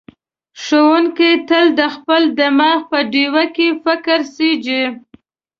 ښوونکی تل د خپل دماغ په ډیوه کې فکر سېځي.